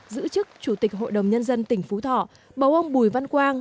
giữ chức chủ tịch hội đồng nhân dân tỉnh phú thọ bầu ông bùi văn quang